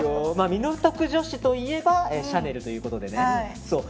港区女子といえばシャネルということで。